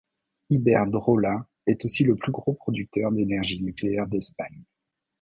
Iberdrola est aussi le plus gros producteur d'énergie nucléaire d'Espagne.